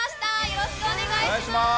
よろしくお願いします。